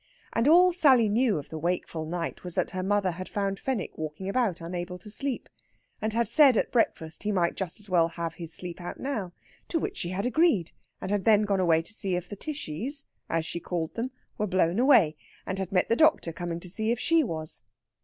And all Sally knew of the wakeful night was that her mother had found Fenwick walking about, unable to sleep, and had said at breakfast he might just as well have his sleep out now. To which she had agreed, and had then gone away to see if "the Tishies," as she called them, were blown away, and had met the doctor coming to see if she was.